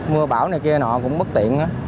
mưa bão này kia nọ cũng bất tiện